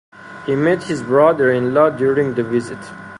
He met his brother-in-law during the visit.